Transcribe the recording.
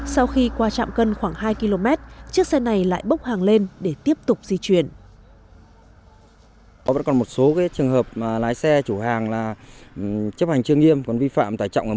sau khi qua trạm cân khoảng hai km chiếc xe này lại bốc hàng lên để tiếp tục di chuyển